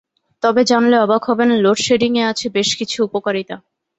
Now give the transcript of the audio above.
তবে জানলে অবাক হবেন লোডশেডিংয়ে আছে বেশ কিছু উপকারিতা।